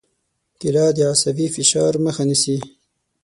کېله د عصبي فشار مخه نیسي.